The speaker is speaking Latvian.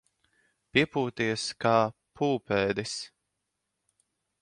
Piepūties kā pūpēdis.